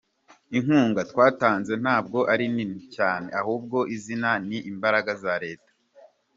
Inkunga twatanze ntabwo ari nini cyane ahubwo izi ni imbaraga za Leta.